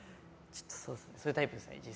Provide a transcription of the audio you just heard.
そういうタイプですね。